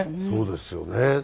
そうですよね。